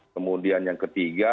kemudian yang ketiga